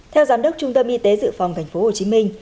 theo giám đốc trung tâm y tế dự phòng tp hcm